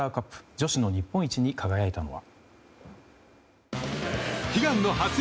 女子の日本一に輝いたのは。